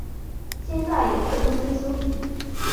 先在游客中心休息